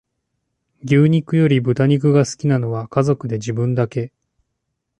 牛肉より豚肉が好きなのは家族で自分だけ